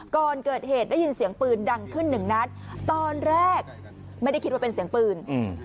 ก่อนเกิดเหตุได้ยินเสียงปืนดังขึ้นหนึ่งนัดตอนแรกไม่ได้คิดว่าเป็นเสียงปืนอืม